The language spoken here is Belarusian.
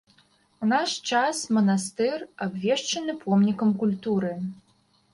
У наш час манастыр абвешчаны помнікам культуры.